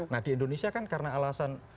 nah di indonesia kan karena alasan